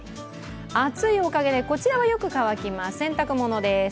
暑いおかげでこちらはよく乾きます洗濯ものです。